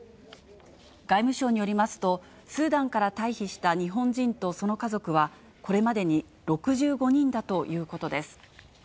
外務省によりますと、スーダンから退避した日本人とその家族は、これまでに６５人だということです。